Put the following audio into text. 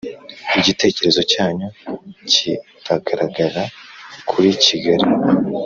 igitekerezo cyanyu kiragaragara kuri kigali